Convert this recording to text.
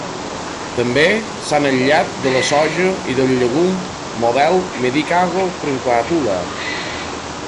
També s'han aïllat de la soja i del llegum model "medicago truncatula".